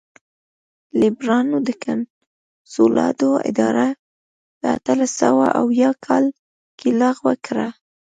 لېبرالانو د کنسولاډو اداره په اتلس سوه یو اویا کال کې لغوه کړه.